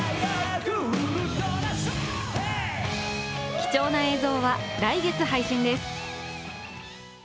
貴重な映像は、来月配信です。